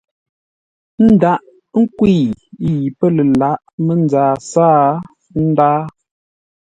Ndághʼ nkwə̂i yi pə́ lə lǎghʼ mənzaa sáa, ə́ ndáa.